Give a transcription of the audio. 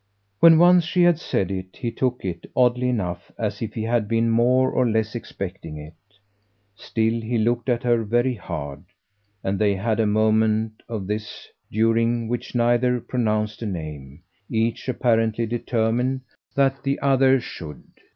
When once she had said it he took it, oddly enough, as if he had been more or less expecting it. Still, he looked at her very hard, and they had a moment of this during which neither pronounced a name, each apparently determined that the other should.